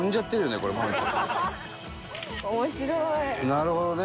なるほどね。